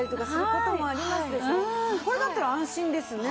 これだったら安心ですね。